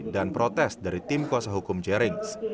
dan protes dari tim kuasa hukum jaring